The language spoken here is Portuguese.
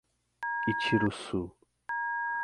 Itiruçu